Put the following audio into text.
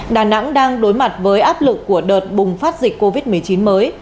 đà nẵng đang đối mặt với áp lực của đợt bùng phát dịch covid một mươi chín mới